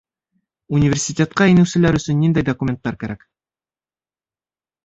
Университетҡа инеүселәр өсөн ниндәй документтар кәрәк?